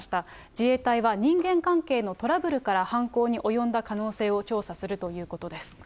自衛隊は人間関係のトラブルから犯行に及んだ可能性を調査するということです。